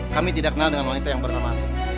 kami tidak kenal dengan wanita yang bernama